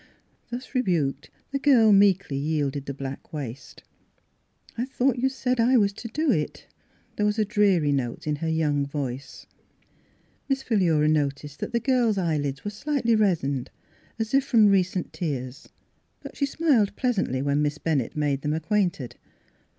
Thus rebuked the girl meekly yielded the black waist. " I thought you said I was to do it." Miss Fhilura's Wedding Gown There was a dreary note in her young voice. Miss Philura noticed that the girl's eye lids were slightly reddened, as if from re cent tears. But she smiled pleasantly when Miss Bennett made them acquainted.